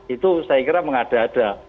itu saya kira mengada ada